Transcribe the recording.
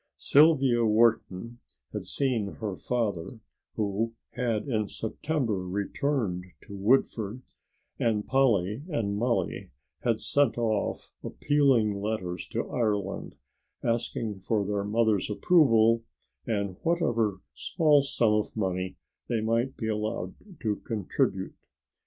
Sylvia Wharton had seen her father, who had in September returned to Woodford, and Polly and Mollie had sent off appealing letters to Ireland asking for their mother's approval and whatever small sum of money they might be allowed to contribute.